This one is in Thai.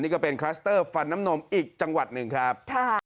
นี่ก็เป็นคลัสเตอร์ฟันน้ำนมอีกจังหวัดหนึ่งครับ